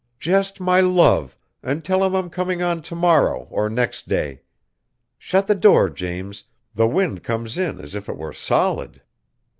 "Just my love, and tell him I'm coming on to morrow or next day. Shut the door, James, the wind comes in as if it were solid."